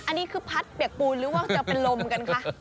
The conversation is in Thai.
อันนี้คือพัดเปียกปูนหรือว่าจะเป็นลมกันคะ